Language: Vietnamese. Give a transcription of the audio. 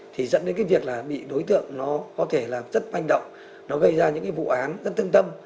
thì dẫn đến cái việc là bị đối tượng nó có thể làm rất manh động nó gây ra những cái vụ án rất thương tâm